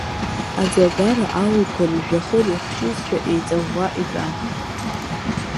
Аӡлагара алуқәа рыжәҩахыр иахшьызшәа, еиҵаӷәӷәа итәан.